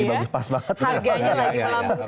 harganya lagi melambung tinggi